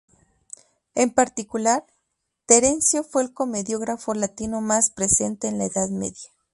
En particular, Terencio fue el comediógrafo latino más presente en la Edad Media.